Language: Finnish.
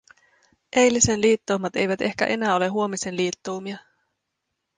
Eilisen liittoumat eivät ehkä enää ole huomisen liittoumia.